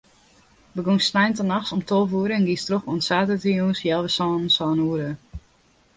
Begûnst sneintenachts om tolve oere en giest troch oant saterdeitejûns healwei sânen, sân oere.